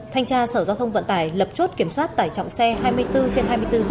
thanh tra sở giao thông vận tải lập chốt kiểm soát tải trọng xe hai mươi bốn trên hai mươi bốn h